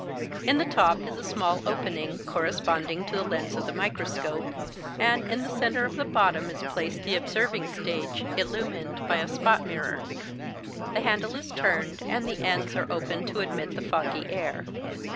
In the top is a small opening, corresponding to the lens of the microscope, and in the centre of the bottom is placed the observing stage illumined by a spot mirror. The handle is turned, and the ends are open to admit the foggy air.